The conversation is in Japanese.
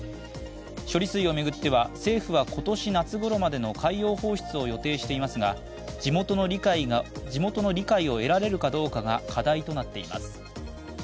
処理水を巡っては政府は今年夏頃までの海洋放出を予定していますが地元の理解を得られるかどうかが課題となっています。